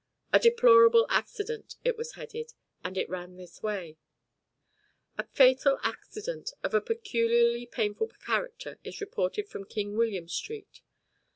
"A Deplorable Accident," it was headed, and it ran in this way: "A fatal accident of a peculiarly painful character is reported from King William Street.